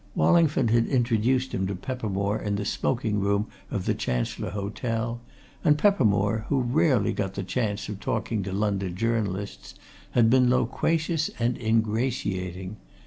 Wallingford had introduced him to Peppermore in the smoking room of the Chancellor Hotel, and Peppermore, who rarely got the chance of talking to London journalists, had been loquacious and ingratiating.